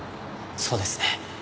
そうですね。